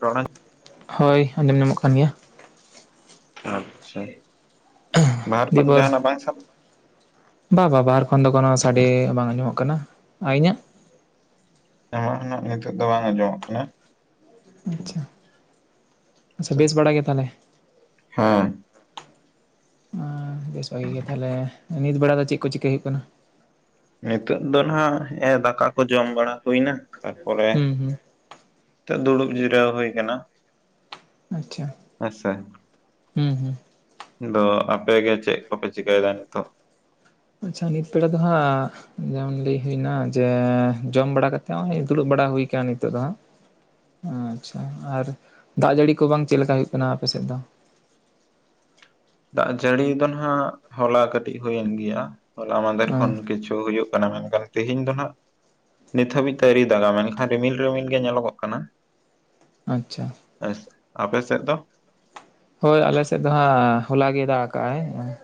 ᱨᱚᱲ ᱟᱸᱡᱚᱢᱚᱜ ᱦᱳᱭ ᱟᱸᱡᱚᱢ ᱧᱟᱢᱚᱜ ᱠᱟᱱ ᱜᱮᱭᱟ ᱟᱪᱪᱷᱟ ᱵᱟᱨ ᱠᱷᱚᱱ ᱫᱤᱭᱮᱯᱚᱨ ᱡᱟᱦᱟᱱᱟᱜ ᱵᱟᱭ ᱥᱟᱯ ᱵᱟ ᱵᱟ ᱵᱟᱨ ᱠᱷᱚᱱ ᱫᱚ ᱠᱳᱚᱱᱳ ᱥᱟᱰᱮ ᱵᱟᱝ ᱟᱡᱚᱢᱚᱜ ᱠᱟᱱᱟ ᱟᱨ ᱤᱧᱟᱹᱜ ᱟᱢᱟᱜ ᱩᱱᱟᱜ ᱱᱤᱛᱚᱜ ᱫᱚ ᱵᱟᱝ ᱟᱸᱡᱚᱢᱚᱜ ᱠᱟᱱᱟ ᱟᱪᱪᱷᱟ ᱟᱪᱪᱷᱟ ᱵᱮᱥ ᱵᱟᱲᱟ ᱜᱮ ᱛᱟᱦᱚᱞᱮ ᱦᱩᱸ ᱟᱸ ᱵᱮᱥ ᱵᱷᱟᱜᱤ ᱜᱮ ᱛᱟᱦᱞᱮ ᱱᱤᱛ ᱵᱮᱲᱟ ᱫᱚ ᱪᱮᱫ ᱠᱚ ᱪᱤᱠᱟᱹᱭ ᱦᱩᱭᱩᱜ ᱠᱟᱱᱟ ᱱᱤᱛᱚᱜ ᱫᱚ ᱱᱟᱜ ᱦᱮᱸᱜ-ᱮ ᱫᱟᱠᱟ ᱠᱚ ᱡᱚᱢ ᱵᱟᱲᱟ ᱦᱩᱭᱮᱱᱟ ᱛᱟᱨᱯᱚᱨᱮ ᱦᱩᱸ ᱦᱩᱸ ᱱᱤᱛᱚᱜ ᱫᱩᱲᱩᱵ ᱡᱤᱨᱟᱹᱣ ᱦᱩᱭ ᱠᱟᱱᱟ ᱟᱪᱪᱷᱟᱸ ᱦᱮᱸᱥᱮ ᱦᱩᱸ ᱦᱩᱸ ᱟᱫᱚ ᱟᱯᱮ ᱜᱮ ᱪᱮᱫ ᱠᱚᱯᱮ ᱪᱤᱠᱟᱹᱭᱮᱫᱟ ᱱᱤᱛᱚᱜ ᱟᱪᱪᱷᱟ ᱱᱤᱛ ᱵᱮᱲᱟ ᱫᱚ ᱦᱟᱸᱜ ᱡᱮᱢᱚᱱ ᱞᱟᱹᱭ ᱦᱩᱭᱱᱟ ᱡᱮ ᱡᱚᱢ ᱵᱟᱲᱟ ᱠᱟᱛᱮᱫ ᱦᱚᱸᱜ ᱫᱩᱲᱩᱵ ᱵᱟᱲᱟ ᱦᱩᱭ ᱟᱠᱟᱱᱟ ᱱᱤᱛᱚᱜ ᱫᱚ ᱦᱟᱸᱜ ᱚ ᱟᱪᱪᱷᱟ ᱟᱨ ᱫᱟᱜ ᱡᱟᱹᱲᱤ ᱠᱚ ᱵᱟᱝ ᱪᱮᱫ ᱞᱮᱠᱟ ᱦᱩᱭᱩᱜ ᱠᱟᱱᱟ ᱟᱯᱮ ᱥᱮᱫ ᱫᱚ ᱫᱟᱜ ᱡᱟᱹᱲᱤ ᱫᱚ ᱱᱟᱦᱟᱸᱜ ᱦᱚᱞᱟ ᱠᱟᱹᱴᱤᱡ ᱦᱩᱭᱮᱱ ᱜᱮᱭᱟ ᱦᱚᱞᱟ ᱢᱟᱦᱫᱷᱮᱨ ᱟᱸ ᱠᱷᱚᱱ ᱠᱤᱪᱷᱩ ᱦᱩᱭᱩᱜ ᱠᱟᱱᱟ ᱢᱮᱱ ᱠᱷᱟᱱ ᱛᱮᱦᱮᱧ ᱫᱚ ᱱᱟᱜ ᱱᱤᱛ ᱦᱟᱹᱵᱤᱡ ᱛᱮ ᱟᱹᱣᱨᱤᱭ ᱫᱟᱜᱟ ᱢᱮᱱ ᱠᱷᱟᱱ ᱨᱤᱢᱤᱞ ᱨᱤᱢᱤᱞ ᱜᱮ ᱧᱮᱞᱚᱜᱚᱜ ᱠᱟᱱᱟ ᱟᱪᱪᱷᱟ ᱟᱹᱡ ᱟᱯᱮ ᱥᱮᱫ ᱫᱚ ᱦᱳᱭ ᱟᱞᱮ ᱥᱮᱫ ᱫᱚ ᱦᱟᱸᱜ ᱦᱚᱞᱟ ᱜᱮ ᱫᱟᱜ ᱠᱟᱜ ᱟᱭ ᱩᱸᱦ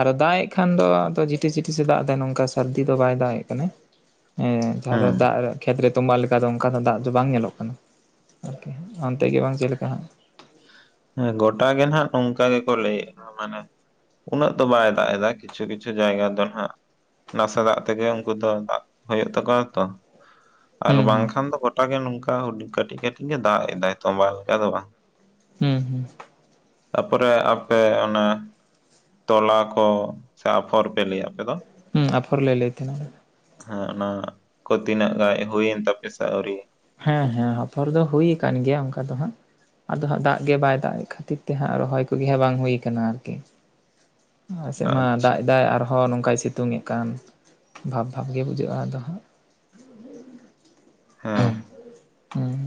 ᱟᱨ ᱫᱟᱜ ᱮᱫ ᱠᱷᱟᱱ ᱫᱚ ᱟᱫᱚ ᱡᱷᱤᱴᱤᱥ ᱡᱷᱤᱴᱤᱥ ᱮ ᱫᱟᱜ ᱮᱫᱟ ᱱᱚᱝᱠᱟ ᱥᱟᱹᱨᱫᱤ ᱫᱚ ᱵᱟᱭ ᱫᱟᱜ ᱮᱜ ᱠᱟᱱᱟ ᱦᱮᱸ ᱡᱟᱦᱟᱸ ᱫᱚ ᱫᱟᱜ ᱨᱮ ᱠᱷᱮᱛᱨᱮ ᱛᱚᱢᱵᱟ ᱞᱮᱠᱟ ᱫᱚ ᱚᱱᱠᱟ ᱫᱚ ᱫᱟᱜ ᱫᱚ ᱵᱟᱝ ᱧᱮᱞᱚᱜ ᱠᱟᱱᱟ ᱟᱨᱠᱤ ᱚᱱᱛᱮ ᱜᱮ ᱵᱟᱝ ᱪᱮᱫ ᱞᱮᱠᱟ ᱦᱟᱸᱜ ᱦᱮᱸ ᱜᱚᱴᱟ ᱜᱮ ᱱᱟᱜ ᱱᱚᱝᱠᱟ ᱜᱮ ᱠᱚ ᱞᱟᱹᱭ ᱮᱫᱼᱟ ᱢᱟᱱᱮ ᱩᱱᱟᱹᱜ ᱫᱚ ᱵᱟᱭ ᱫᱟᱜ ᱮᱫᱟ ᱠᱤᱪᱷᱩ ᱠᱤᱪᱷᱩ ᱡᱟᱭᱜᱟ ᱫᱚ ᱱᱟᱦᱟᱜ ᱱᱟᱥᱮ ᱫᱟᱜ ᱛᱮᱜᱮ ᱩᱱᱠᱩ ᱫᱚ ᱫᱟᱜ ᱦᱩᱭᱩᱜ ᱛᱟᱠᱚᱣᱟ ᱛᱚ ᱟᱨ ᱦᱩᱸ ᱵᱟᱝ ᱦᱩᱸ ᱠᱷᱟᱱ ᱫᱚ ᱜᱚᱴᱟ ᱜᱮ ᱱᱚᱝᱠᱟ ᱦᱩᱰᱤ ᱠᱟᱹᱴᱤᱡᱼ ᱠᱟᱹᱴᱤᱡ ᱜᱮ ᱫᱟᱜ ᱮᱫᱟᱭ ᱛᱚᱸᱵᱟ ᱞᱮᱠᱟ ᱫᱚ ᱵᱟᱝ ᱦᱩᱸ ᱦᱩᱸ ᱛᱟ ᱯᱚᱨᱮ ᱟᱯᱮ ᱚᱱᱟ ᱛᱚᱞᱟ ᱠᱚ ᱥᱮ ᱟᱯᱷᱚᱨ ᱯᱮ ᱞᱟᱹᱭᱟ ᱟᱯᱮ ᱫᱚ ᱦᱩᱸ ᱟᱯᱷᱚᱨ ᱞᱮ ᱞᱟᱹᱭ ᱛᱮᱦᱮᱱᱟ ᱦᱮᱸ ᱚᱱᱟ ᱠᱚ ᱛᱤᱱᱟᱹᱜ ᱜᱟᱡ ᱦᱩᱭᱮᱱ ᱛᱟᱯᱮ ᱥᱮ ᱟᱹᱣᱨᱤ ᱦᱮᱸ ᱦᱮᱸ ᱟᱯᱷᱚᱨ ᱫᱚ ᱦᱩᱭ ᱟᱠᱟᱱ ᱜᱮᱭᱟ ᱚᱱᱠᱟ ᱫᱚ ᱦᱟᱸᱜ ᱟᱫᱚ ᱦᱟᱸᱜ ᱫᱟᱜ ᱜᱮ ᱵᱟᱭ ᱫᱟᱜ ᱠᱷᱟᱹᱛᱤᱨ ᱛᱮ ᱦᱟᱸᱜ ᱨᱚᱦᱚᱭ ᱠᱚ ᱜᱮ ᱦᱟᱸᱜ ᱵᱟᱝ ᱦᱩᱭ ᱠᱟᱱᱟ ᱟᱨᱠᱤ ᱟᱞᱮ ᱥᱮᱜ ᱢᱟ ᱟᱪᱪᱷᱟ ᱫᱟᱜ ᱮᱫᱟᱭ ᱟᱨᱚ ᱦᱚᱸ ᱱᱚᱝᱠᱟᱭ ᱥᱤᱛᱩᱝᱮᱫ ᱠᱟᱱ ᱵᱷᱟᱵᱽ ᱵᱷᱟᱵᱽ ᱜᱮ ᱵᱩᱡᱷᱟᱹᱜᱼᱟ ᱟᱫᱚ ᱦᱟᱸᱜ ᱦᱮᱸ ᱩᱸᱦ ᱦᱩᱸ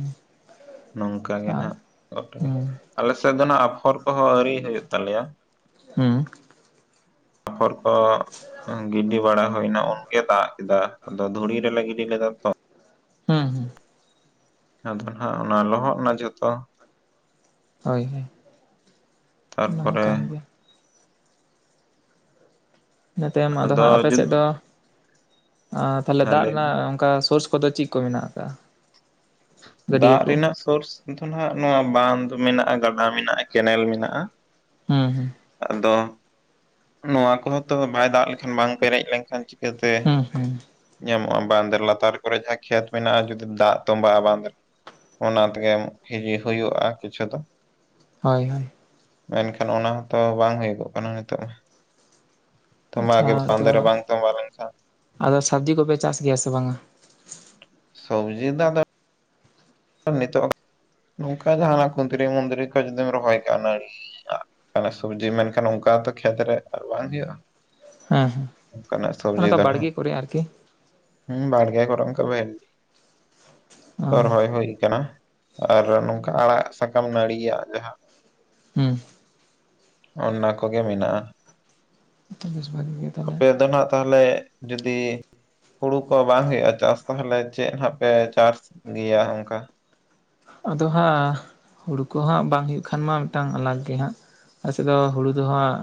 ᱱᱚᱝᱠᱟ ᱜᱮ ᱱᱟᱜ ᱜᱚᱴᱟᱜᱮ ᱦᱩᱸ ᱟᱞᱮ ᱥᱮᱫ ᱫᱚ ᱱᱟᱜ ᱟᱯᱷᱚᱨ ᱠᱚ ᱦᱚᱸ ᱟᱹᱣᱨᱤ ᱦᱩᱭᱩᱜ ᱛᱟᱞᱮᱭᱟ ᱦᱩᱸ ᱟᱯᱷᱚᱨ ᱠᱚ ᱜᱤᱰᱤ ᱵᱟᱲᱟ ᱦᱩᱭᱱᱟ ᱩᱱ ᱮ ᱫᱟᱜ ᱠᱮᱫᱟ ᱟᱫᱚ ᱫᱷᱩᱲᱤ ᱨᱮ ᱞᱟᱜᱤᱫ ᱞᱮ ᱞᱮᱫᱟ ᱛᱚ ᱦᱩᱸ ᱦᱩᱸ ᱟᱫᱚ ᱱᱟᱦᱟᱜ ᱚᱱᱟ ᱞᱚᱦᱚᱫ ᱱᱟ ᱡᱚᱛᱚ ᱦᱳᱭ ᱦᱳᱭ ᱚᱱᱟ ᱦᱚ ᱛᱟᱨᱯᱚᱨᱮ ᱠᱟᱱ ᱜᱮ ᱤᱱᱟᱹ ᱛᱟᱭᱚᱢ ᱟᱫᱚ ᱦᱟᱸᱜ ᱟᱯᱮ ᱥᱮᱫ ᱫᱚ ᱛᱟᱦᱞᱮ ᱦᱮᱸ ᱫᱟᱜ ᱞᱟᱹᱭ ᱢᱮ ᱨᱮᱱᱟᱜ ᱚᱱᱠᱟ ᱥᱳᱨᱥ ᱠᱚ ᱫᱚ ᱪᱮᱫ ᱠᱚ ᱢᱮᱱᱟᱜ ᱟᱠᱟᱫᱼᱟ ᱫᱟᱜ ᱨᱮᱱᱟᱜ ᱥᱳᱨᱥ ᱫᱚ ᱱᱟᱜ ᱱᱚᱣᱟ ᱵᱟᱸᱫᱷᱽ ᱢᱮᱱᱟᱜᱼᱟ ᱜᱟᱰᱟ ᱢᱮᱱᱟᱜᱼᱟ ᱠᱮᱱᱮᱞ ᱢᱮᱱᱟᱜᱼᱟ ᱦᱩᱸ ᱦᱩᱸ ᱟᱫᱚ ᱱᱚᱣᱟ ᱠᱚ ᱦᱚᱸ ᱛᱚ ᱵᱟᱭ ᱫᱟᱜ ᱞᱮᱠᱷᱟᱱ ᱵᱟᱝ ᱯᱮᱨᱮᱡ ᱞᱮᱱ ᱠᱷᱟᱱ ᱪᱤᱠᱟᱹ ᱛᱮ ᱦᱩᱸ ᱦᱩᱸ ᱧᱟᱢᱚᱜᱼᱟ ᱵᱟᱸᱫᱷᱽ ᱞᱟᱛᱟᱨ ᱠᱚᱨᱮ ᱡᱟᱦᱟᱸ ᱠᱷᱮᱛ ᱢᱮᱱᱟᱜᱼᱟ ᱡᱩᱫᱤ ᱫᱟᱜ ᱛᱚᱸᱵᱟᱜᱼᱟ ᱵᱟᱸᱫᱷ ᱨᱮ ᱚᱱᱟ ᱛᱮᱜᱮᱢ [unintelligible] ᱦᱩᱭᱩᱜᱼᱟ ᱠᱤᱪᱷᱩ ᱫᱚ ᱦᱳᱭ ᱦᱳᱭ ᱢᱮᱱ ᱠᱷᱟᱱ ᱚᱱᱟ ᱦᱚᱸ ᱛᱚ ᱵᱟᱝ ᱦᱩᱭᱩᱜᱚᱜ ᱠᱟᱱᱟ ᱱᱤᱛᱚᱜ ᱢᱟ ᱛᱚᱸᱵᱟ ᱟᱪᱪᱷᱟ ᱜᱮ [unintelligible] ᱟᱫᱚ ᱵᱟᱝᱫᱽ ᱨᱮ ᱵᱟᱝ ᱛᱟᱸᱵᱟ ᱞᱮᱱ ᱠᱷᱟᱱ ᱟᱫᱚ ᱥᱟᱵᱽᱡᱤ ᱠᱚ ᱯᱮ ᱪᱟᱥ ᱜᱮᱭᱟ ᱥᱮ ᱵᱟᱝᱟ ᱥᱚᱵᱡᱤ ᱫᱟ ᱫᱚᱯ ᱱᱤᱛᱚᱜ ᱱᱚᱝᱠᱟ ᱜᱮ ᱦᱟᱱᱟ ᱠᱷᱩᱱᱫᱨᱤ ᱢᱩᱚᱱᱫᱨᱤ ᱠᱚ ᱡᱩᱫᱤᱢ ᱨᱚᱦᱚᱭ ᱠᱟᱜ ᱱᱟᱲᱤ [unintelligible] ᱟᱱᱮ ᱥᱚᱵᱡᱤ ᱢᱮᱱ ᱠᱷᱟᱱ ᱢᱮᱱᱠᱷᱟᱱ ᱛᱚ ᱠᱷᱮᱛ ᱨᱮ ᱟᱨ ᱵᱟᱝ ᱦᱩᱭᱩᱜᱼᱟ ᱦᱮᱸ ᱦᱮᱸ ᱚᱱᱠᱟᱱᱟᱜ ᱥᱚᱵᱡᱤ ᱚᱱᱠᱟ ᱫᱚ ᱦᱟᱸᱜ ᱵᱟᱲᱜᱮ ᱠᱚᱨᱮ ᱟᱨᱠᱤ ᱦᱩᱸ ᱵᱟᱲᱜᱮ ᱠᱚᱨᱮᱫ ᱚᱱᱟ ᱵᱮᱞ ᱚ ᱠᱚ ᱨᱚᱦᱚᱭ ᱦᱩᱭ ᱠᱟᱱᱟ ᱟᱨ ᱱᱚᱝᱠᱟ ᱟᱲᱟᱜ ᱥᱟᱠᱟᱢ ᱱᱟᱹᱲᱤᱭᱟᱜ ᱡᱟᱦᱟᱸ ᱦᱩᱸ ᱚᱱᱟ ᱠᱚᱜᱮ ᱢᱮᱱᱟᱜᱼᱟ ᱵᱮᱥ ᱵᱷᱟᱜᱮ ᱜᱮ ᱛᱟᱦᱚᱞᱮ ᱟᱯᱮ ᱫᱚ ᱱᱟᱜ ᱛᱟᱦᱞᱮ ᱡᱩᱫᱤ ᱦᱩᱲᱩ ᱠᱚ ᱵᱟᱝ ᱦᱩᱭᱩᱜᱼᱟ ᱪᱟᱥ ᱛᱟᱦᱞᱮ ᱪᱮᱫ ᱦᱟᱸᱜ ᱯᱮ ᱪᱟᱥ ᱜᱮᱭᱟ ᱚᱝᱠᱟ ᱟᱫᱚ ᱦᱟᱸᱜ ᱦᱩᱲᱩ ᱠᱚ ᱦᱟᱸᱜ ᱵᱟᱝ ᱦᱩᱭᱩᱜ ᱠᱷᱟᱱ ᱢᱟ ᱢᱤᱫᱴᱟᱝ ᱟᱞᱟᱜᱽ ᱜᱮ ᱦᱟᱸᱜ ᱟᱞᱮᱥᱮᱫ ᱫᱚ ᱦᱩᱲᱩ ᱫᱚ ᱦᱟᱸᱜ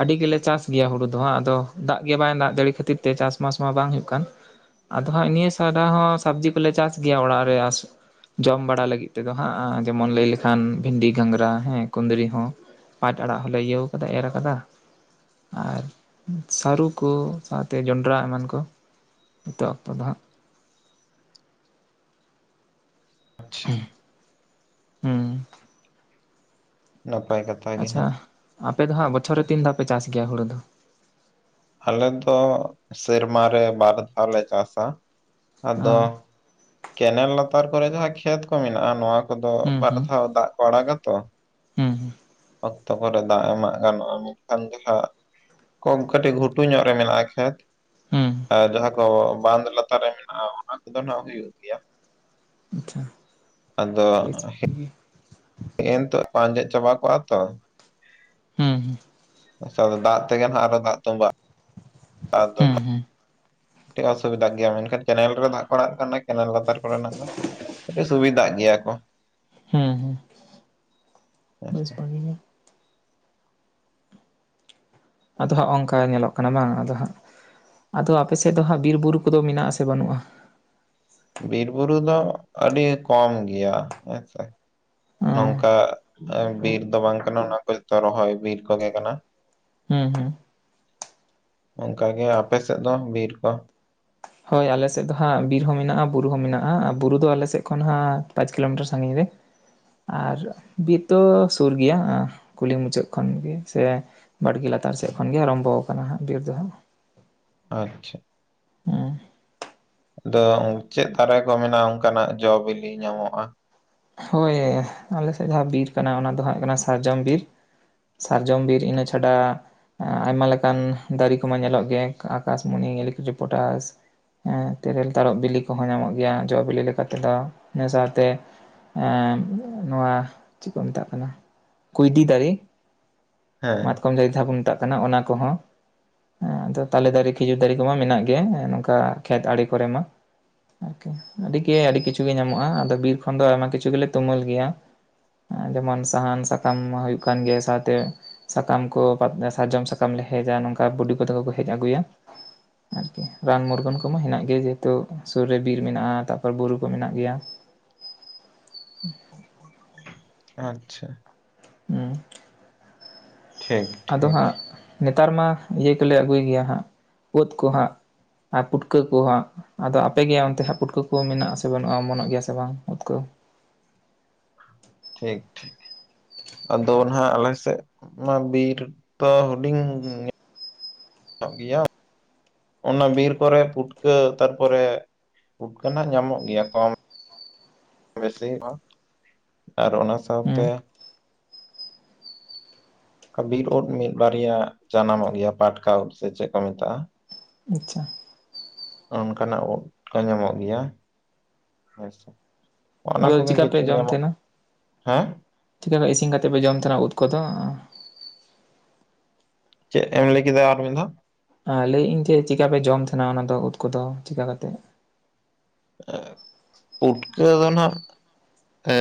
ᱟᱹᱰᱤ ᱜᱮᱞᱮ ᱪᱟᱥ ᱜᱮᱭᱟ ᱦᱩᱲᱩ ᱫᱚᱦᱟᱸᱜ ᱟᱫᱚ ᱫᱟᱜ ᱜᱮ ᱵᱟᱭ ᱫᱟᱜ ᱡᱟ. ᱲᱤ ᱠᱷᱟᱹᱛᱤᱨ ᱛᱮ ᱪᱟᱥᱵᱟᱥ ᱢᱟ ᱵᱟᱝ ᱦᱩᱭᱩᱜ ᱠᱟᱱ ᱟᱫᱚ ᱦᱟᱸᱜ ᱱᱤᱭᱟᱹ ᱥᱟᱣᱫᱟ ᱦᱚᱸ ᱥᱚᱵᱽᱡᱤ ᱠᱚᱞᱮ ᱪᱟᱥ ᱜᱮᱭᱟ ᱚᱲᱟᱜ ᱨᱮ ᱡᱚᱢ ᱵᱟᱲᱟ ᱞᱟᱹᱜᱤᱫ ᱛᱮᱫᱚ ᱦᱟᱸᱜ ᱡᱮᱢᱚᱱ ᱞᱟᱹᱭ ᱞᱮᱠᱷᱟᱱ ᱵᱷᱤᱱᱰᱤ ᱜᱷᱟᱸᱜᱽᱨᱟ ᱦᱮᱸ ᱠᱩᱸᱫᱽᱨᱤ ᱦᱚᱸ ᱯᱟᱸᱴ ᱟᱲᱟᱜ ᱦᱚᱸᱞᱮ ᱤᱭᱟ. ᱣ ᱠᱟᱫᱟ ᱮᱨ ᱠᱟᱫᱟ ᱟᱨ ᱥᱟᱹᱨᱩ ᱠᱚ ᱥᱟᱶᱛᱮ ᱡᱚᱸᱰᱨᱟ ᱮᱢᱟᱱ ᱠᱚ ᱦᱤᱛᱚᱜ ᱚᱠᱛᱚ ᱫᱚ ᱦᱟᱜ ᱟᱪᱪᱷᱟ ᱩᱸ ᱦᱩᱸ ᱱᱟᱯᱟᱭ ᱠᱟᱛ ᱟᱪᱪᱷᱟ ᱟᱯᱮ ᱫᱚᱦᱟᱸᱜ ᱵᱚᱪᱷᱚᱨ ᱨᱮ ᱛᱤᱱ ᱫᱷᱟᱣ ᱯᱮ ᱪᱟᱥ ᱜᱮᱭᱟ ᱦᱩᱲᱩ ᱫᱚ ᱟᱞᱮ ᱫᱚ ᱥᱮᱨᱢᱟ ᱨᱮ ᱵᱟᱨ ᱫᱷᱟᱣᱞᱮ ᱪᱟᱥᱟ ᱟᱫᱚ ᱚ ᱠᱮᱱᱮᱞ ᱞᱟᱛᱟᱨ ᱠᱚᱨᱮ ᱡᱟᱦᱟᱸ ᱠᱷᱮᱛ ᱠᱚ ᱢᱮᱱᱟᱜᱼᱟ ᱱᱚᱣᱟ ᱠᱚᱫᱚ ᱦᱩᱸ ᱵᱟᱨ ᱫᱷᱟᱣ ᱫᱟᱜ ᱠᱚ ᱟᱲᱟᱜᱟᱛᱚ ᱦᱩᱸ ᱦᱩᱸ ᱚᱠᱛᱚ ᱠᱚᱨᱮ ᱫᱟᱜ ᱮᱢᱟᱜ ᱜᱟᱱᱚᱜᱼᱟ ᱢᱮᱱᱠᱷᱟᱱ ᱜᱮ ᱦᱟᱜ ᱠᱚᱢ ᱠᱟᱹᱴᱤᱡ ᱜᱷᱩᱴᱩ ᱧᱚᱜ ᱨᱮ ᱢᱮᱱᱟᱜ ᱟ ᱠᱷᱮᱛ ᱦᱩᱸ ᱦᱩᱸ ᱟᱨ ᱡᱟᱦᱟᱸ ᱠᱚ ᱵᱟᱸᱫᱷ ᱞᱟᱛᱟᱨ ᱨᱮ ᱢᱮᱱᱟᱜᱼᱟ ᱚᱱᱟ ᱠᱚᱫᱚ ᱱᱟᱜ ᱦᱩᱭᱩᱜ ᱜᱮᱭᱟ [unintelligible] ᱟᱪᱪᱷᱟ ᱟᱫᱚ ᱵᱮᱥ ᱵᱷᱟᱜᱤ ᱜᱮ ᱦᱮᱜ ᱛᱚᱜ ᱟᱸᱡᱮᱫ ᱪᱟᱵᱟ ᱠᱚᱜᱼᱟ ᱛᱚ ᱦᱩᱸ ᱦᱩᱸ ᱟᱪᱪᱷᱟ ᱫᱟᱜ ᱛᱮᱜᱮ ᱦᱟᱜ ᱟᱨᱚ ᱫᱟᱜ ᱛᱚᱵᱟᱜᱼᱟ [unintelligible] ᱦᱩᱸ ᱦᱩᱸ ᱠᱟᱴᱤᱡ ᱚᱥᱩᱵᱤᱫᱷᱟ ᱜᱮᱭᱟ ᱢᱮᱱᱠᱷᱟᱱ ᱠᱮᱱᱮᱞ ᱨᱮ ᱫᱟᱜ ᱠᱚ ᱟᱲᱟᱜ ᱞᱮᱠᱷᱟᱱ ᱚᱱᱟ ᱠᱮᱱᱮᱞ ᱞᱟᱛᱟᱨ ᱠᱚᱨᱮᱱᱟᱜ ᱫᱚ [unintelligible] ᱥᱩᱵᱤᱫᱟᱜ ᱜᱮᱭᱟ ᱠᱚ ᱦᱩᱸ ᱦᱩᱸ ᱵᱮᱥ ᱦᱮᱸᱥᱮ ᱵᱷᱟᱜᱮ ᱜᱮ ᱟᱫᱚ ᱦᱟᱸᱜ ᱚᱝᱠᱟ ᱧᱮᱞᱚᱜ ᱠᱟᱱᱟ ᱵᱟᱝ ᱟᱫᱚ ᱦᱟᱸᱜ ᱟᱫᱚ ᱟᱯᱮ ᱥᱮᱫ ᱫᱚ ᱦᱟᱸᱜ ᱵᱤᱨ ᱵᱩᱨᱩ ᱠᱚᱫᱚ ᱢᱮᱱᱟᱜ-ᱟᱥᱮ ᱵᱟᱱᱩᱜᱼᱟ ᱵᱤᱨ ᱵᱩᱨᱩ ᱫᱚ ᱟᱹᱰᱤ ᱠᱚᱢ ᱜᱮᱭᱟ ᱦᱮᱸ ᱥᱮ ᱚᱸ ᱱᱚᱝᱠᱟ ᱵᱤᱨ ᱫᱚ ᱵᱟᱝ ᱠᱟᱱᱟ ᱚᱱᱟ ᱠᱚ ᱡᱚᱛᱚ ᱨᱚᱦᱚᱭ ᱵᱤᱨ ᱠᱚᱜᱮ ᱠᱟᱱᱟ ᱦᱩᱸ ᱦᱩᱸ ᱚᱱᱠᱟ ᱜᱮ ᱟᱯᱮᱥᱮᱫ ᱫᱚ ᱵᱤᱨ ᱠᱚ ᱦᱳᱭ ᱟᱞᱮ ᱥᱮᱫ ᱫᱚ ᱦᱟᱸᱜ ᱵᱤᱨ ᱦᱚᱸ ᱢᱮᱱᱟᱜᱼᱟ ᱵᱩᱨᱩ ᱦᱚᱸ ᱢᱮᱱᱟᱜᱼᱟ ᱵᱩᱨᱩ ᱫᱚ ᱟᱞᱮ ᱥᱮᱫ ᱠᱷᱚᱱ ᱦᱟᱸᱜ ᱯᱟᱸᱪ ᱠᱤᱞᱳᱢᱤᱴᱟᱨ ᱥᱟᱺᱜᱤᱧ ᱨᱮ ᱟᱨ ᱵᱤᱨ ᱫᱚ ᱥᱩᱨ ᱜᱮᱭᱟ ᱠᱩᱞᱦᱤ ᱢᱩᱪᱟᱹᱫ ᱠᱷᱚᱱ ᱜᱮ ᱥᱮ ᱵᱟᱲᱜᱮ ᱞᱟᱛᱟᱨ ᱥᱮᱫ ᱠᱷᱚᱱ ᱜᱮ ᱟᱨᱚᱢᱵᱚ ᱟᱠᱟᱱᱟ ᱦᱟᱸᱜ ᱵᱤᱨ ᱫᱚ ᱦᱟᱸᱜ ᱟᱪᱪᱷᱟ ᱦᱩᱸ ᱟᱫᱚ ᱪᱮᱫ ᱫᱟᱨᱮ ᱠᱚ ᱢᱮᱱᱟᱜᱼᱟ ᱚᱱᱠᱟᱱᱟᱜ ᱡᱚ ᱵᱤᱞᱤ ᱧᱟᱢᱚᱜᱼᱟ ᱦᱳᱭ ᱟᱞᱮᱥᱮᱫ ᱡᱟᱦᱟᱸ ᱵᱤᱨ ᱠᱟᱱᱟ ᱚᱱᱟ ᱫᱚ ᱦᱟᱸᱜ ᱠᱟᱱᱟ ᱥᱟᱨᱡᱚᱢ ᱵᱤᱨ ᱥᱟᱨᱡᱚᱢ ᱵᱤᱨ ᱤᱱᱟᱹ ᱪᱷᱟᱰᱟ ᱟᱭᱢᱟ ᱞᱮᱠᱟᱱ ᱫᱟᱨᱤ ᱠᱚᱢᱟ ᱧᱮᱞᱚᱜ ᱜᱮ ᱟᱠᱟᱥᱢᱚᱱᱤ ᱤᱭᱩᱠᱮᱞᱤ ᱯᱚᱴᱟᱥ ᱦᱩᱸ, ᱛᱮᱨᱮᱞ ᱛᱟᱨᱚᱯ ᱵᱤᱞᱤ ᱠᱚᱦᱚᱸ ᱧᱟᱢᱚᱜ ᱜᱮᱭᱟ ᱡᱚ ᱵᱤᱞᱤ ᱞᱮᱠᱟ ᱛᱮᱫᱚ ᱤᱱᱟᱹ ᱥᱟᱶᱛᱮ ᱮᱸ ᱱᱚᱣᱟ ᱪᱮᱫ ᱠᱚ ᱢᱮᱛᱟᱜ ᱠᱟᱱᱟ ᱠᱩᱸᱭᱰᱤ ᱫᱟᱨᱮ ᱦᱮᱸ ᱢᱟᱛᱠᱚᱢ ᱡᱟᱭᱤ ᱡᱟᱦᱟᱸ ᱵᱚᱱ ᱢᱮᱛᱟᱜ ᱠᱟᱱᱟ ᱚᱱᱟ ᱠᱚᱦᱚᱸ ᱦᱮᱸ ᱟᱫᱚ ᱛᱟᱞᱮ ᱫᱟᱨᱮ ᱠᱷᱤᱡᱩᱨ ᱫᱟᱨᱮ ᱠᱚᱢᱟ ᱢᱮᱱᱟᱜ ᱜᱮᱭᱟ ᱚᱱᱠᱟ ᱠᱷᱮᱛ ᱟᱲᱮ ᱠᱚᱨᱮ ᱢᱟ ᱟᱨᱠᱤ ᱟᱹᱰᱤ ᱜᱮ ᱟᱹᱰᱤ ᱠᱤᱪᱷᱩ ᱜᱮ ᱧᱟᱢᱚᱜᱼᱟ ᱟᱫᱚ ᱵᱤᱨ ᱠᱷᱚᱱ ᱫᱚ ᱟᱭᱢᱟ ᱠᱤᱪᱷᱩ ᱜᱮᱞᱮ ᱛᱩᱢᱟᱹᱞ ᱜᱮᱭᱟ ᱡᱮᱢᱚᱱ ᱥᱟᱦᱟᱱ ᱥᱟᱠᱟᱢ ᱦᱩᱭᱩᱜ ᱠᱟᱱ ᱜᱮᱭᱟ ᱥᱟᱶᱛᱮ ᱥᱟᱠᱟᱢ ᱠᱚ ᱥᱟᱨᱡᱚᱢ ᱥᱟᱠᱟᱢ ᱞᱮ ᱦᱮᱡᱟ ᱱᱚᱝᱠᱟ ᱵᱩᱰᱤ ᱠᱚ ᱛᱟᱠᱚ ᱠᱚ ᱦᱮᱡ ᱟᱹᱜᱩᱭᱟ ᱟᱨᱠᱤ ᱨᱟᱱ ᱢᱩᱨᱜᱟᱹᱱ ᱠᱚᱢᱟ ᱦᱮᱱᱟᱜ ᱜᱮᱭᱟ ᱡᱮᱦᱮᱛᱩ ᱥᱩᱨ ᱨᱮ ᱵᱤᱨ ᱢᱮᱱᱟᱜᱼᱟ ᱛᱟᱨᱯᱚᱨ ᱵᱩᱨᱩ ᱠᱚ ᱢᱮᱱᱟᱜ ᱜᱮᱭᱟ ᱟᱪᱪᱷᱟ ᱦᱩᱸ ᱴᱷᱤᱠ ᱟᱫᱚ ᱴᱷᱤᱠ ᱦᱟᱸᱜ ᱱᱮᱛᱟᱨ ᱢᱟ ᱤᱭᱟᱹ ᱠᱚᱞᱮ ᱟᱹᱜᱩᱭ ᱜᱮᱭᱟ ᱦᱟᱸᱜ ᱩᱫ ᱠᱚ ᱦᱟᱸᱜ᱾ ᱟᱨ ᱯᱩᱴᱠᱟᱹ ᱠᱚ ᱦᱟᱸᱜ᱾ ᱟᱫᱚ ᱟᱯᱮ ᱜᱮᱭᱟ ᱚᱱᱛᱮ ᱦᱟᱸᱜ ᱯᱩᱴᱠᱟᱹ ᱠᱚ ᱢᱮᱱᱟᱜ ᱟᱥᱮ ᱵᱟᱹᱱᱩᱜᱼᱟ ᱚᱢᱚᱱᱚᱜ ᱜᱮᱭᱟ ᱥᱮ ᱵᱟᱝ ᱩᱫ ᱠᱚ ᱴᱷᱤᱠ ᱴᱷᱤᱠ᱾ ᱟᱫᱚ ᱱᱟᱜ ᱟᱞᱮ ᱥᱮᱫ ᱢᱟ ᱵᱤᱨ ᱫᱚ ᱦᱩᱰᱤᱧ ᱜᱟᱱᱚᱜ ᱜᱮᱭᱟ ᱚᱱᱟ ᱵᱤᱨ ᱠᱚᱨᱮ ᱯᱩᱴᱠᱟᱹ ᱛᱟᱨᱯᱚᱨᱮ ᱯᱩᱴᱠᱟᱹ ᱱᱟᱜ ᱧᱟᱢᱚᱜ ᱜᱮᱭᱟ ᱠᱚ [unintelligible] ᱟᱨ ᱚᱱᱟ ᱥᱟᱶᱛᱮ ᱦᱩᱸ ᱚᱝᱠᱟ ᱵᱤᱨ ᱩᱫ ᱢᱤᱫ ᱵᱟᱨᱭᱟ ᱡᱟᱱᱟᱢᱚᱜ ᱜᱮᱭᱟ ᱯᱟᱴᱠᱟ ᱩᱫ ᱥᱮ ᱪᱮᱫ ᱠᱚ ᱢᱮᱛᱟᱜᱼᱟ᱾ ᱟᱪᱪᱷᱟ᱾ ᱚᱱᱠᱟᱱᱟᱜ ᱩᱫ ᱠᱚ ᱧᱟᱢᱚᱜ ᱜᱮᱭᱟ ᱦᱮᱸᱥᱮ ᱚᱱᱟ ᱟᱫᱚ ᱠᱚᱜᱮ ᱪᱤᱠᱟ ᱠᱤᱪᱷᱩ ᱧᱟᱢᱚᱜ᱾ ᱦᱮᱸ? ᱪᱤᱠᱟᱹᱛᱮ ᱤᱥᱤᱱ ᱠᱟᱛᱮᱫ ᱯᱮ ᱡᱚᱢ ᱛᱟᱦᱮᱱᱟ ᱩᱫ ᱠᱚᱫᱚ? ᱪᱮᱫ ᱮᱢ ᱞᱟᱹᱭ ᱠᱮᱫᱟ ᱟᱨ ᱢᱤᱫ ᱫᱷᱟᱣ? ᱞᱟᱹᱭᱮᱜ-ᱤᱧ ᱡᱮ ᱪᱮᱠᱟᱯᱮ ᱡᱚᱢ ᱛᱟᱦᱮᱱᱟ ᱚᱱᱟ ᱫᱚ ᱩᱫ ᱠᱚᱫᱚ ᱪᱮᱠᱟ ᱠᱟᱛᱮᱫ? ᱯᱩᱴᱠᱟᱹ ᱫᱚ ᱱᱟᱦᱟᱸᱜ ᱮ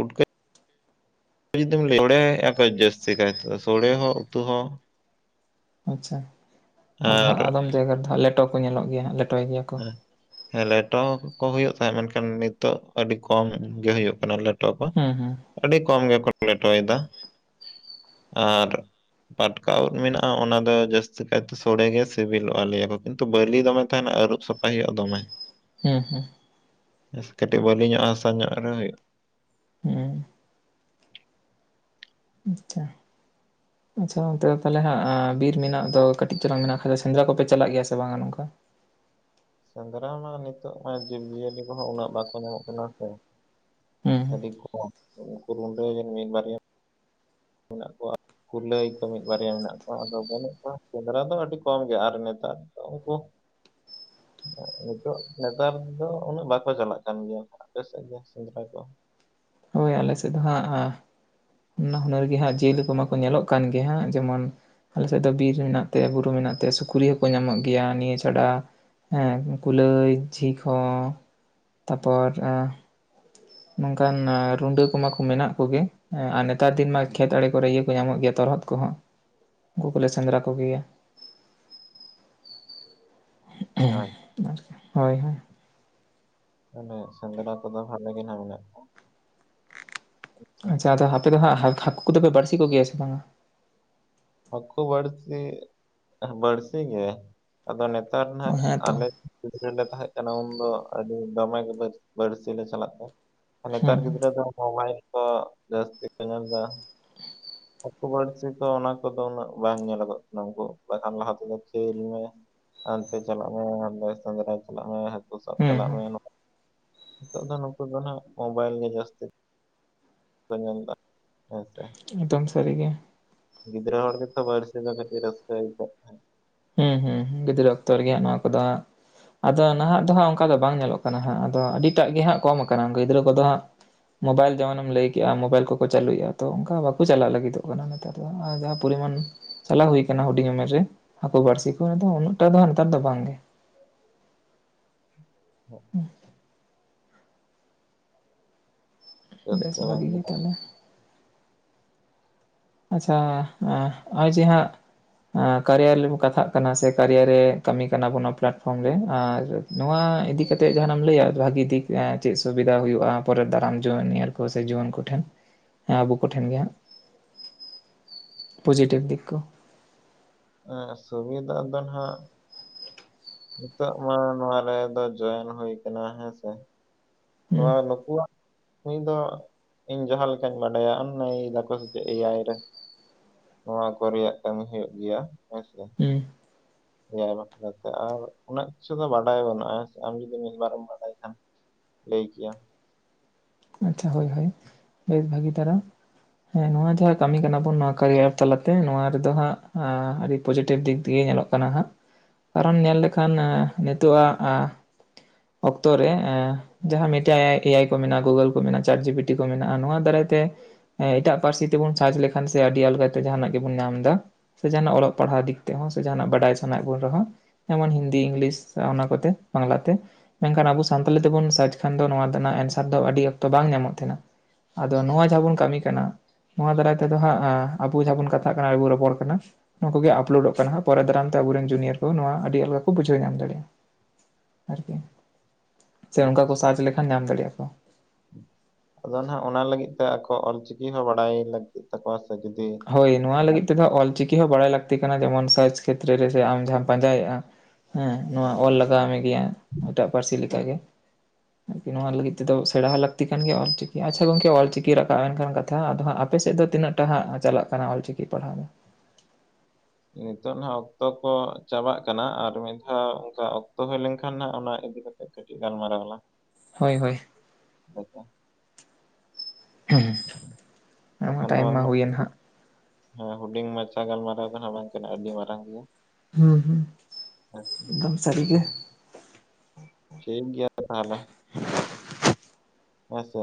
ᱩᱴᱠᱼᱼ ᱡᱩᱫᱤᱢ ᱞᱟᱹᱭᱟ ᱥᱚᱲᱮ ᱭᱮᱜ-ᱟᱠᱚ ᱡᱟᱹᱥᱛᱤ ᱠᱟᱭ ᱛᱮᱫᱚ ᱥᱲᱮ ᱦᱚᱸ ᱩᱛᱩ ᱦᱚᱸ᱾ ᱟᱪᱷᱟ ᱟᱫᱚ ᱟᱨ ᱦᱟᱸᱜ ᱟᱫᱚᱢ ᱡᱟᱭᱜᱟ ᱨᱮᱫᱚ ᱦᱟᱸᱜ ᱞᱮᱴᱚ ᱠᱚ ᱧᱮᱞᱚᱜ ᱜᱮᱭᱟ ᱦᱟᱸᱜ ᱞᱮᱴᱚᱭ ᱜᱮᱭᱟ ᱠᱚ᱾ ᱦᱮᱸ ᱞᱮᱴᱚ ᱠᱚ ᱦᱩᱭᱩᱜ ᱛᱟᱦᱮᱸᱫ ᱢᱮᱱᱠᱷᱟᱱ ᱱᱤᱛᱚᱜ ᱟᱹᱰᱤ ᱠᱚᱢ ᱜᱮ ᱦᱩᱭᱩᱜ ᱠᱟᱱᱟ ᱞᱮᱴ ᱞᱮᱴᱚ ᱠᱚ ᱦᱩᱸ ᱦᱩᱸ ᱟᱹᱰᱤ ᱠᱚᱢ ᱜᱮᱠᱚ ᱞᱮᱴᱚᱭᱮᱫᱟ ᱟᱨ ᱯᱟᱴᱠᱟ ᱩᱫ ᱢᱮᱱᱟᱜᱼᱟ ᱚᱱᱟ ᱫᱚ ᱡᱟᱹᱥᱛᱤ ᱠᱟᱭᱛᱮ ᱥᱚᱲᱮᱜᱮ ᱥᱤᱵᱤᱞᱚᱜᱼᱟ ᱞᱟᱹᱭᱟᱠᱚ ᱠᱤᱱᱛᱩ ᱵᱟᱹᱞᱤ ᱫᱚᱢᱮ ᱛᱟᱦᱮᱱᱟ ᱟᱹᱨᱩᱵᱼᱼ ᱥᱟᱯᱷᱟᱭ ᱦᱩᱭᱩᱜᱼᱟ ᱫᱚᱢᱮ᱾ ᱦᱮᱸ ᱦᱮᱸ ᱠᱟᱹᱴᱤᱡ ᱵᱟᱹᱞᱤᱧᱚᱜ ᱦᱟᱥᱟ ᱧᱚᱜ ᱨᱮᱦᱚᱸ ᱦᱩᱭᱩᱜᱼᱟ᱾ ᱦᱩᱸ ᱟᱪᱪᱷᱟ ᱟᱪᱷᱟ ᱚᱱᱛᱮ ᱫᱚ ᱛᱟᱦᱚᱞᱮ ᱦᱟᱸᱜ ᱵᱤᱨ ᱢᱮᱱᱟᱜ ᱫᱚ ᱠᱟᱹᱴᱤᱡ ᱪᱟᱞᱟᱝ ᱢᱮᱱᱟᱜ ᱠᱷᱟᱡ ᱫᱚ ᱥᱮᱸᱫᱽᱨᱟ ᱠᱚᱯᱮ ᱪᱟᱞᱟᱜ ᱜᱮᱭᱟ ᱥᱮ ᱵᱟᱝᱟ ᱱᱚᱝᱠᱟ? ᱥᱮᱸᱫᱽᱨᱟ ᱢᱟ ᱱᱮᱛᱚᱜ ᱢᱟ ᱡᱤᱵᱽᱼᱡᱤᱭᱟᱹᱞᱤ ᱠᱚᱦᱚᱸ ᱩᱱᱟᱹᱜ ᱵᱟᱠᱚ ᱧᱟᱢᱚᱜ ᱠᱟᱱᱟ ᱥᱮ᱾ ᱦᱩᱸ ᱦᱩᱸ ᱟᱹᱰᱤ ᱠᱚᱢ ᱩᱱᱠᱚ ᱨᱩᱸᱰᱟᱹ ᱜᱮ ᱢᱤᱫ ᱵᱟᱨᱭᱟ ᱢᱮᱱᱟᱜ ᱠᱚᱣᱟ ᱠᱩᱞᱟᱹᱭ ᱠᱚ ᱢᱤᱫ ᱵᱟᱨᱭᱟ ᱢᱮᱱᱟᱜ ᱠᱚᱣᱟ ᱟᱫᱚ ᱵᱟᱹᱱᱩᱜ ᱠᱚᱣᱟ ᱥᱮᱸᱫᱽᱨᱟ ᱫᱚ ᱟᱹᱰᱤ ᱠᱚᱢ ᱜᱮᱭᱟ ᱟᱨ ᱱᱮᱛᱟᱨ ᱫᱚ ᱩᱱᱠᱩ᱾ ᱱᱤᱛᱚᱜ ᱱᱮᱛᱟᱨ ᱫᱚ ᱩᱱᱟᱹᱜ ᱵᱟᱠᱚ ᱪᱟᱞᱟᱜ ᱠᱟᱱ ᱜᱮᱭᱟ ᱠᱚ᱾ ᱟᱯᱮᱥᱮᱜ ᱫᱚ ᱥᱮᱸᱫᱽᱨᱟ ᱠᱚ ᱦᱳᱭ ᱟᱞᱮ ᱥᱮᱫ ᱫᱚ ᱦᱟᱸᱜ ᱱᱟᱱᱟ ᱦᱩᱱᱟᱹᱨ ᱜᱮ ᱦᱟᱸᱜ ᱡᱤᱭᱟᱹᱞᱤ ᱠᱚᱢᱟ ᱠᱚ ᱧᱮᱞᱚᱜ ᱠᱟᱱ ᱜᱮ ᱦᱟᱸᱜ ᱡᱮᱢᱚᱱ ᱟᱞᱮ ᱥᱮᱫ ᱫᱚ ᱵᱤᱨ ᱢᱮᱱᱟᱜ ᱛᱮ, ᱵᱩᱨᱩ ᱢᱮᱱᱟᱜ ᱛᱮ ᱥᱩᱠᱨᱤ ᱦᱚᱸᱠᱚ ᱧᱟᱢᱚᱜ ᱜᱮᱭᱟ ᱱᱤᱭᱟᱹ ᱪᱷᱟᱰᱟ ᱦᱮᱸ ᱠᱩᱞᱟᱹᱭ, ᱡᱷᱤᱠ ᱦᱚᱸ ᱛᱟᱨᱯᱚᱨ ᱮ ᱱᱚᱝᱠᱟᱱ ᱟᱨ ᱨᱩᱰᱟᱹ ᱠᱚᱢᱟ ᱠᱚ ᱢᱮᱱᱟᱜ ᱠᱚᱜᱮ ᱟᱨ ᱱᱮᱛᱟᱨ ᱫᱤᱱ ᱢᱟ ᱠᱷᱮᱛ ᱟᱲᱮ ᱠᱚᱨᱮ ᱤᱭᱟᱹ ᱠᱚ ᱧᱟᱢᱚᱜ ᱜᱮᱭᱟ ᱛᱚᱨᱦᱚᱫ ᱠᱚᱦᱚᱸ᱾ ᱩᱱᱠᱩ ᱠᱚᱞᱮ ᱥᱮᱸᱫᱽᱨᱟ ᱠᱚ ᱜᱮᱭᱟ᱾ ᱦᱳᱭ ᱟᱨᱠᱤ ᱦᱳᱭ ᱦᱳᱭ ᱢᱟᱱᱮ ᱥᱮᱸᱫᱽᱨᱟ ᱠᱚᱫᱚ ᱵᱷᱟᱞᱤ ᱜᱮ ᱱᱟᱜ ᱢᱮᱱᱟᱜ ᱠᱚ ᱟᱪᱷᱟ ᱟᱫᱚ ᱦᱟᱯᱮ ᱫᱚ ᱦᱟᱸᱜ ᱦᱟ ᱦᱟᱠᱩ ᱠᱚᱫᱚᱯᱮ ᱵᱟᱹᱲᱥᱤ ᱠᱚᱜᱮᱭᱟ ᱥᱮ ᱵᱟᱝᱟ? ᱦᱟᱹᱠᱩ ᱵᱟᱹᱲᱥᱤ, ᱵᱟᱹᱲᱥᱤ ᱜᱮ ᱟᱫᱚ ᱱᱮᱛᱟᱨ ᱱᱟᱜ ᱦᱮᱸᱛᱚ ᱟᱞᱮ ᱜᱤᱫᱽᱨᱟᱹ ᱞᱮ ᱛᱟᱦᱮᱸᱜ ᱠᱟᱱᱟ ᱩᱱᱫᱚ ᱟᱹᱰᱤ ᱫᱚᱢᱮ ᱜᱮ ᱵᱟᱹᱲ ᱵᱟᱹᱲᱥᱤ ᱞᱮ ᱪᱟᱞᱟᱜ ᱛᱟᱦᱮᱸᱫ ᱱᱮᱛᱟᱨ ᱦᱩᱸ ᱜᱤᱫᱽᱨᱟᱹ ᱫᱚ ᱢᱳᱵᱟᱭᱤᱞ ᱠᱚ ᱡᱟᱹᱥᱛᱤ ᱠᱚ ᱧᱮᱞᱫᱟ ᱦᱩᱠᱩ ᱵᱟᱹᱲᱥᱤ ᱠᱚ ᱚᱱᱟ ᱱᱮᱛᱟᱨ ᱫᱚ ᱩᱱᱟᱹᱜ ᱵᱟᱝ ᱧᱮᱞᱚᱜᱚᱜ ᱠᱟᱱᱟ ᱩᱱᱠᱩ ᱵᱟᱠᱷᱟᱱ ᱞᱟᱦᱟ ᱛᱮᱫᱚ ᱠᱷᱮᱹᱞ ᱢᱮ ᱦᱟᱱᱛᱮ ᱪᱟᱞᱟᱜ ᱢᱮ ᱦᱟᱸᱰᱮ ᱥᱮᱸᱫᱽᱨᱟ ᱪᱟᱞᱟᱜ ᱢᱮ ᱦᱟᱹᱠᱩ ᱥᱟᱵ ᱦᱩᱸ ᱪᱟᱞᱟᱜ ᱦᱩᱸ ᱢᱮ ᱱᱤᱛᱚᱜ ᱫᱚ ᱱᱩᱠᱩ ᱫᱚ ᱦᱟᱸᱜ ᱢᱳᱵᱟᱭᱤᱞ ᱜᱮ ᱡᱟᱹᱥᱛᱤ᱾ ᱟᱫᱚ ᱧᱮᱞᱫᱟ ᱦᱮᱸ ᱥᱮ᱾ ᱮᱠᱫᱚᱢ ᱥᱟᱹᱨᱤ ᱜᱮ ᱜᱤᱫᱽᱨᱟᱹ ᱦᱚᱲ ᱜᱮ ᱛᱚ ᱵᱟᱹᱲᱥᱤᱤ ᱫᱚ ᱠᱟᱹᱴᱤᱡ ᱨᱟᱹᱥᱠᱟ ᱟᱹᱭᱠᱟᱹᱜ ᱛᱟᱦᱮᱸᱜ ᱦᱩᱸ ᱦᱩᱸ ᱜᱤᱫᱽᱨᱟᱹ ᱚᱠᱛᱚ ᱨᱮᱜᱮ ᱦᱟᱸᱜ ᱱᱚᱣᱟ ᱠᱚᱫᱚ ᱟᱫᱚ ᱱᱟᱦᱟᱜ ᱫᱚ ᱦᱟᱸᱜ ᱚᱝᱠᱟ ᱫᱚ ᱵᱟᱝ ᱧᱮᱞᱚᱜ ᱠᱟᱱᱟ ᱦᱟᱸᱜ ᱟᱫᱚ ᱟᱹᱰᱤᱴᱟᱜ ᱜᱮ ᱦᱟᱸᱜ ᱠᱚᱢ ᱠᱟᱱᱟ ᱜᱤᱫᱽᱨᱟᱹ ᱠᱚᱫᱚ ᱦᱟᱸᱜ ᱢᱳᱵᱟᱭᱤᱞ ᱡᱮᱢᱚᱱᱮᱢ ᱞᱟᱹᱭ ᱠᱮᱜ-ᱟ ᱢᱳᱵᱟᱭᱤᱞ ᱠᱚᱠᱚ ᱪᱟᱹᱞᱩᱭᱮᱜ-ᱟ ᱛᱚ ᱚᱝᱠᱟ ᱵᱟᱠᱩ ᱪᱟᱞᱟᱜ ᱞᱟᱹᱜᱤᱫᱚᱜ ᱠᱟᱱᱟ ᱱᱮ ᱱᱮᱛᱟᱨ ᱫᱚ ᱡᱟᱦᱟᱸ ᱯᱚᱨᱤᱢᱟᱱ ᱪᱟᱞᱟᱣ ᱦᱩᱭ ᱟᱠᱟᱱᱟ ᱦᱩᱰᱤᱧ ᱩᱢᱮᱨ ᱨᱮ ᱦᱟᱠᱩ ᱵᱟᱹᱲᱥᱤ ᱠᱚ ᱚᱱᱟ ᱫᱚ ᱩᱱᱟᱹᱜ ᱴᱟ ᱫᱚ ᱦᱟᱸᱜ ᱱᱮᱛᱟᱨ ᱫᱚ ᱵᱟᱝᱜᱮ ᱦᱚᱸ [inaudible] ᱵᱮᱥ ᱨᱟᱹᱥᱠᱟᱹ ᱵᱟᱝ ᱵᱷᱟᱜᱤ ᱫᱚ ᱜᱤ ᱵᱟᱝ ᱛᱟᱦᱟᱞᱮ ᱟᱪᱪᱷᱟ ᱟᱸ ᱦᱚᱜ-ᱚᱭ ᱡᱮ ᱦᱟᱸᱜ ᱟᱸ ᱠᱟᱨᱮᱭᱟ ᱨᱮᱵᱩᱱ ᱠᱟᱛᱷᱟᱜ ᱠᱟᱱᱟ ᱥᱮ ᱠᱟᱨᱮᱭᱟ ᱨᱮ ᱠᱟᱹᱢᱤ ᱠᱟᱱᱟ ᱵᱚᱱ ᱱᱚᱣᱟ ᱯᱞᱟᱴᱯᱷᱚᱨᱚᱢ ᱨᱮ ᱟᱨ ᱱᱚᱣᱟ ᱤᱫᱤ ᱠᱟᱛᱮᱜ ᱡᱟᱦᱟᱱᱟᱜ ᱮᱢ ᱞᱟᱹᱭᱟ ᱵᱷᱟᱜᱤ ᱫᱤᱠ ᱮᱸ ᱪᱮᱜ ᱥᱩᱵᱤᱫᱟ ᱦᱩᱭᱩᱜ-ᱟ ᱯᱚᱨᱮᱨ ᱫᱟᱨᱟᱢ ᱡᱚᱢᱮᱢ ᱧᱮᱞ ᱠᱚ ᱥᱮ ᱡᱩᱣᱟᱹᱱ ᱠᱚᱴᱷᱮᱱ ᱦᱮᱸ ᱟᱵᱚ ᱠᱚᱴᱷᱮᱱ ᱜᱮ ᱦᱟᱸᱜ ᱯᱚᱡᱮᱴᱤᱵᱷ ᱫᱤᱠ ᱠᱩ? ᱮᱸ ᱥᱩᱵᱤᱫᱷᱟ ᱫᱚ ᱱᱟᱦᱟᱜ ᱱᱤᱛᱚᱜ ᱢᱟ ᱱᱚᱣᱟ ᱨᱮᱫᱚ ᱡᱚᱭᱮᱱ ᱦᱩᱭ ᱠᱟᱱᱟ ᱦᱮᱸᱥᱮ ᱦᱩᱸ ᱛᱷᱚᱲᱟ ᱱᱩᱠᱩᱣᱟᱜ ᱱᱩᱭ ᱫᱚ ᱤᱧ ᱡᱟᱦᱟᱸ ᱞᱮᱠᱟᱧ ᱵᱟᱰᱟᱭᱟ ᱩᱱᱱᱚᱭ ᱫᱟᱠᱚ ᱥᱮᱪᱮᱜ ᱮᱭᱟᱭ ᱨᱮ ᱱᱚᱣᱟ ᱠᱚ ᱨᱮᱭᱟᱜ ᱠᱟᱹᱢᱤ ᱦᱩᱭᱩᱜ ᱜᱮᱭᱟ ᱦᱮᱸᱥᱮ ᱦᱩᱸ ᱮᱭᱟᱭ ᱵᱟᱠᱷᱨᱟ ᱛᱮ ᱟᱨ ᱩᱱᱟᱹᱜ ᱠᱤᱪᱷᱩ ᱫᱚ ᱵᱟᱰᱟᱭ ᱵᱟᱹᱱᱩᱜᱼᱟ ᱦᱮᱸ ᱥᱮ ᱟᱢ ᱡᱩᱫᱤ ᱢᱤᱜ ᱵᱟᱨᱮᱢ ᱵᱟᱰᱟᱭ ᱠᱷᱟᱱ ᱞᱟᱹᱭ ᱠᱮᱭᱟᱢ? ᱟᱪᱪᱷᱟ ᱦᱳᱭ ᱦᱳᱭ ᱵᱮᱥ ᱵᱷᱟᱜᱤ ᱛᱟᱨᱟ ᱦᱮᱸ ᱱᱚᱣᱟ ᱡᱟᱦᱟᱸ ᱠᱟᱹᱢᱤ ᱠᱟᱱᱟ ᱵᱚᱱ ᱱᱚᱣᱟ ᱠᱟᱨᱤᱭᱟᱨ ᱛᱟᱞᱟᱛᱮ ᱱᱚᱣᱟ ᱨᱮᱫᱚ ᱦᱟᱸᱜ ᱟᱹᱰᱤ ᱯᱚᱡᱮᱴᱤᱵᱽ ᱫᱤᱠ ᱫᱤᱭᱮ ᱧᱮᱞᱚᱜ ᱠᱟᱱᱟ᱾ ᱠᱟᱱᱟ ᱦᱟᱸᱜ ᱟᱨᱦᱚᱢ ᱧᱮᱞ ᱞᱮᱠᱷᱟᱱ ᱱᱤᱛᱚᱜᱼᱟᱜ ᱟᱸ ᱚᱠᱛᱚ ᱨᱮ ᱮᱸ ᱡᱟᱦᱟᱸ ᱢᱤᱴᱟᱭ ᱮᱟᱭ ᱮᱭᱟᱭ ᱠᱚ ᱢᱮᱱᱟᱜ-ᱟ ᱜᱳᱜᱳᱞ ᱠᱩ ᱢᱮᱱᱟ ᱪᱮᱴᱡᱤᱯᱤᱴᱤ ᱠᱚ ᱢᱮᱱᱟᱜ-ᱟ ᱱᱚᱣᱟ ᱫᱟᱨᱟᱭᱛᱮ ᱦᱮᱸ ᱮᱴᱟᱜ ᱯᱟᱹᱨᱥᱤ ᱛᱮᱵᱩᱱ ᱥᱟᱨᱪ ᱞᱮᱠᱷᱟᱱ ᱥᱮ ᱟᱹᱰᱤ ᱟᱞᱜᱟᱛᱮ ᱡᱟᱦᱟᱱᱟᱜ ᱜᱮᱵᱩᱱ ᱧᱟᱢ ᱫᱟ, ᱥᱮ ᱡᱟᱦᱟᱱᱟᱜ ᱚᱞᱚᱜ ᱯᱟᱲᱦᱟᱣ ᱫᱤᱠ ᱛᱮᱦᱚᱸ ᱥᱮ ᱡᱟᱦᱟᱱᱟᱜ ᱵᱟᱰᱟᱭ ᱥᱟᱱᱟᱭᱮᱫ ᱵᱚᱱ ᱨᱮᱦᱚᱸ, ᱡᱮᱢᱚᱱ ᱦᱤᱱᱫᱤ ᱤᱝᱞᱤᱥ ᱚᱱᱟ ᱠᱚᱛᱮ ᱵᱟᱝᱞᱟᱛᱮ ᱢᱮᱱᱠᱷᱟᱱ ᱟᱵᱚ ᱥᱟᱱᱛᱟᱞᱤ ᱛᱮᱵᱚᱱ ᱥᱟᱨᱪ ᱠᱷᱟᱱ ᱫᱚ ᱱᱚᱣᱟ ᱛᱮᱱᱟᱜ ᱮᱱᱥᱟᱨ ᱫᱚ ᱟᱹᱰᱤ ᱚᱠᱛᱚ ᱵᱟᱝ ᱧᱟᱢᱚᱜ ᱛᱟᱦᱮᱱᱟ᱾ ᱟᱫᱚ ᱱᱚᱣᱟ ᱡᱟᱦᱟᱸ ᱵᱚᱱ ᱠᱟᱹᱢᱤ ᱠᱟᱱᱟ ᱱᱚᱣᱟ ᱫᱟᱨᱟᱭ ᱛᱮᱫᱚ ᱦᱟᱸᱜ ᱮᱸ ᱟᱵᱚ ᱡᱟᱦᱟᱸ ᱵᱚᱱ ᱠᱟᱛᱷᱟ ᱠᱟᱱᱟ ᱟᱨᱵᱚ ᱨᱚᱯᱚᱲ ᱠᱟᱱᱟ ᱱᱚᱣᱟ ᱠᱩᱜᱮ ᱟᱯᱞᱳᱰᱚᱜ ᱠᱟᱱᱟ ᱦᱟᱸᱜ ᱯᱚᱨᱮᱨ ᱫᱟᱨᱟᱢ ᱛᱮ ᱟᱵᱚᱨᱮᱱ ᱡᱩᱱᱤᱭᱟᱨ ᱠᱚ ᱱᱚᱣᱟ ᱟᱹᱰᱤ ᱟᱞᱜᱟ ᱠᱚ ᱵᱩᱷᱟᱹᱣ ᱧᱟᱢ ᱫᱟᱲᱮᱜᱼᱟ᱾ ᱟᱨᱠᱤ ᱥᱮ ᱚᱝᱠᱟ ᱠᱚ ᱟᱪᱪᱷᱟ ᱥᱟᱨᱪ ᱞᱮᱠᱷᱟᱱ ᱧᱟᱢ ᱫᱟᱲᱮᱜ-ᱟ ᱠᱚ᱾ ᱟᱫᱚ ᱱᱟᱦᱟᱜ ᱚᱱᱟ ᱞᱟᱹᱜᱤᱫ ᱛᱮ ᱟᱠᱚ ᱚᱞᱪᱤᱠᱤ ᱦᱚᱸ ᱵᱟᱰᱟᱭ ᱞᱟᱹᱠᱛᱤᱜ ᱛᱟᱠᱚᱣᱟ ᱥᱮ ᱡᱩᱫᱤ ᱦᱳᱭ ᱱᱚᱣᱟ ᱞᱟᱹᱜᱤᱫ ᱛᱮᱫᱚ ᱚᱞ ᱪᱤᱠᱤ ᱦᱚᱸ ᱵᱟᱲᱟᱭ ᱞᱟᱹᱠᱛᱤ ᱠᱟᱱᱟ ᱡᱮᱢᱚᱱ ᱥᱟᱨᱪ ᱠᱷᱮᱛᱨᱮ ᱨᱮ ᱡᱮ ᱟᱢ ᱡᱟᱦᱟᱸᱢ ᱯᱟᱸᱡᱟᱭᱮᱜᱼᱟ ᱦᱮᱸ ᱱᱚᱣᱟ ᱚᱞ ᱞᱟᱜᱟᱣ ᱢᱮ ᱜᱮᱭᱟ ᱮᱴᱟᱜ ᱯᱟᱹᱨᱥᱤ ᱞᱮᱠᱟ ᱜᱮ᱾ ᱟᱨᱠᱤ ᱱᱚᱣᱟ ᱞᱟᱹᱜᱤᱫ ᱛᱮᱫᱚ ᱥᱮᱲᱟ ᱦᱚᱸ ᱞᱟᱹᱠᱛᱤ ᱠᱟᱱ ᱜᱮᱭᱟ ᱚᱞᱪᱤᱠᱤ ᱟᱪᱪᱷᱟ ᱜᱚᱝᱠ ᱚᱞᱪᱤᱠᱤ ᱨᱟᱠᱟᱵ ᱮᱱᱠᱷᱟᱱ ᱠᱟᱛ ᱛᱷᱟ ᱟᱫᱚ ᱦᱟᱸᱜ ᱟᱯᱮᱥᱮᱜ ᱫᱚ ᱛᱤᱱᱟᱹᱜ ᱴᱟ ᱦᱟᱸᱜ ᱪᱟᱞᱟᱜ ᱠᱟᱱᱟ ᱚᱞ ᱪᱤᱠᱤ ᱯᱟᱲᱦᱟᱣ ᱫᱚ? ᱱᱤᱛᱚᱜ ᱱᱟᱦᱟᱜ ᱚᱠᱛᱚ ᱠᱚ ᱪᱟᱵᱟᱜ ᱠᱟᱱᱟ ᱟᱨ ᱢᱤᱫ ᱫᱷᱟᱣ ᱚᱝᱠᱟ ᱚᱠᱛᱚ ᱦᱩᱭ ᱞᱮᱱᱠᱷᱟᱱ ᱱᱟᱜ ᱚᱱᱟ ᱤᱫᱤ ᱠᱟᱛᱮᱜ ᱠᱟᱴᱤᱡ ᱜᱟᱞᱢᱟᱨᱟᱣ ᱟᱞᱟᱝ ᱦᱳᱭ ᱦᱳᱭ ᱟᱢᱟᱜ ᱵᱟᱠᱷᱟᱱ ᱴᱟᱭᱤᱢ ᱱᱚᱣᱟ ᱢᱟ ᱦᱩᱭᱮᱱ ᱦᱟᱸᱜ ᱦᱮ ᱦᱩᱰᱤᱧ ᱢᱟᱪᱷᱟ ᱜᱟᱞᱢᱟᱨᱟᱣ ᱫᱚ ᱦᱟᱸᱜ ᱵᱟᱝ ᱠᱟᱱᱟ ᱟᱹᱰᱤ ᱢᱟᱨᱟᱝ ᱜᱮᱭᱟ ᱦᱩ ᱦᱩ ᱦᱮᱸ ᱮᱠᱫᱚᱢ ᱥᱟᱹᱨᱤᱜᱮ ᱴᱷᱤᱠ ᱜᱮᱭᱟ ᱛᱟᱦᱞᱮ ᱦᱳᱭ ᱥᱮ